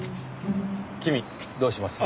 君どうします？